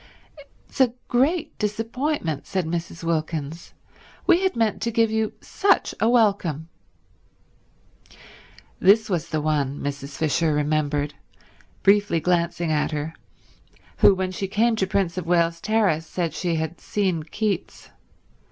"It's a great disappointment," said Mrs. Wilkins. "We had meant to give you such a welcome." This was the one, Mrs. Fisher remembered, briefly glancing at her, who when she came to Prince of Wales Terrace said she had seen Keats.